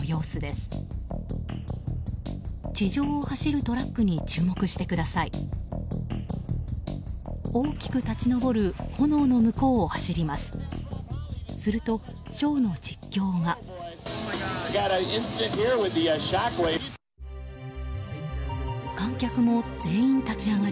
すると、ショーの実況が。